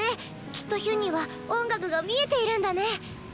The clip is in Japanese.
きっとヒュンには音楽が見えているんだね！